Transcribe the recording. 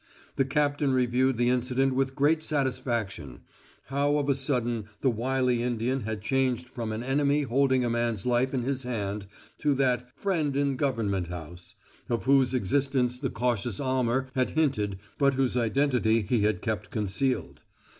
The captain reviewed the incident with great satisfaction how of a sudden the wily Indian had changed from an enemy holding a man's life in his hand to that "friend in Government House," of whose existence the cautious Almer had hinted but whose identity he had kept concealed.